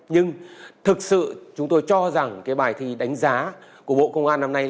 nhưng thực sự chúng tôi cho rằng cái bài thi đánh giá của bộ công an năm nay